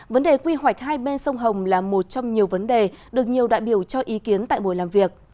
vấn đề quy hoạch hai bên sông hồng là một trong nhiều vấn đề được nhiều đại biểu cho ý kiến tại buổi làm việc